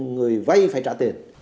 người vay phải trả tiền